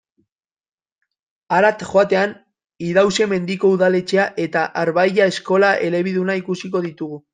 Harat joatean, Idauze-Mendiko udaletxea eta Arbailla eskola elebiduna ikusiko ditugu.